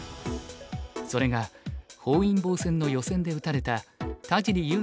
それが本因坊戦の予選で打たれた田尻悠